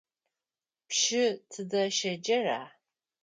Пшы тыдэ щеджэра?